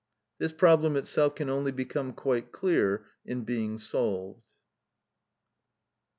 This problem itself can only become quite clear in being solved.